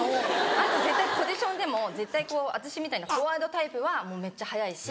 あと絶対ポジションでも絶対私みたいなフォワードタイプはめっちゃ早いし。